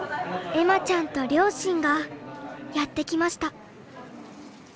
恵麻ちゃんと両親がやって来ました。